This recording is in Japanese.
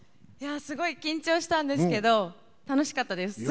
すごい緊張したんですけど楽しかったです。